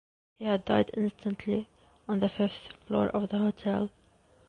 He had died instantly, on the fifth floor of the hotel.